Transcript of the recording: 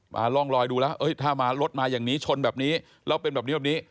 ร่องรอยดูแล้วถ้ามารถมาอย่างนี้ชนแบบนี้แล้วเป็นแบบนี้แบบนี้